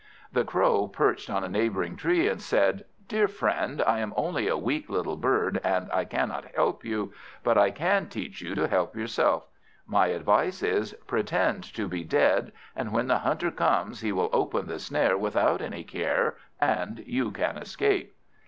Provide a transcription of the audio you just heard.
The Crow perched on a neighbouring tree, and said "Dear friend, I am only a weak little bird, and I cannot help you; but I can teach you to help yourself. My advice is, pretend to be dead, and when the Hunter comes, he will open the snare without any care, and you can escape."